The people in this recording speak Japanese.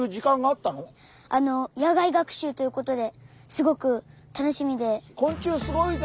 あの野外学習ということですごく楽しみで。